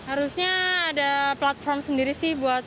harusnya ada platform sendiri sih buat